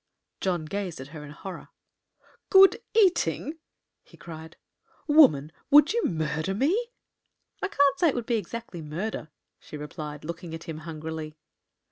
John gazed at her in horror. "Good eating!" he cried; "woman, would you murder me?" "I can't say it would be exactly murder," she replied, looking at him hungrily.